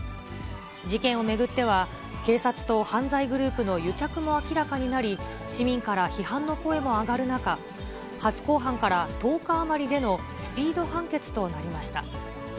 事件を巡っては、警察と犯罪グループの癒着も明らかになり、市民から批判の声も上がる中、初公判から１０日余りでのスピード判決となりました。